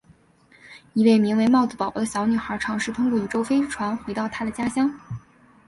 一位名为帽子宝宝的小女孩尝试通过宇宙飞船回到她的家乡。